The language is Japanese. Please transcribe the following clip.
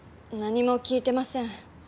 何も聞いてません。